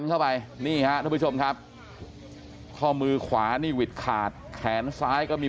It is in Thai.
เข้าไปนี่ฮะทุกผู้ชมครับข้อมือขวานี่หวิดขาดแขนซ้ายก็มี